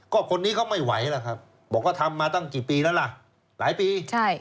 ก็คนนี้เขาไม่ไหวแล้วครับบอกว่าทำมาตั้งกี่ปีแล้วล่ะหลายปี